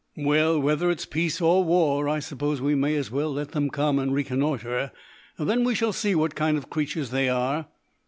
"Well, whether it's peace or war, I suppose we may as well let them come and reconnoitre. Then we shall see what kind of creatures they are.